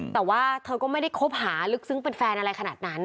แต่ว่าเธอก็ไม่ได้คบหาลึกซึ้งเป็นแฟนอะไรขนาดนั้น